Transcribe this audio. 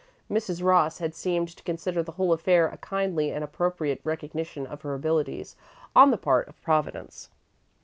Mrs. Ross had seemed to consider the whole affair a kindly and appropriate recognition of her abilities, on the part of Providence.